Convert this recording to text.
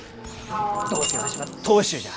どうせわしは当主じゃ！